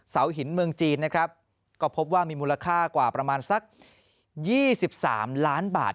เสาหินเมืองจีนนะครับก็พบว่ามีมูลค่ากว่าประมาณสัก๒๓ล้านบาท